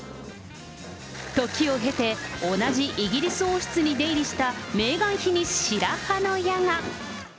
時を経て、同じイギリス王室に出入りしたメーガン妃に白羽の矢が。